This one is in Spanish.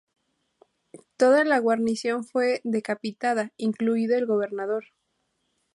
Toda la guarnición fue decapitada, incluido el gobernador.